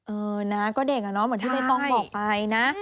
เออนะก็เด็กเนอะที่ไม่ต้องบอกไปนะ